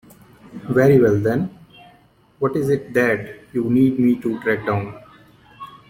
Very well then, what is it that you need me to track down?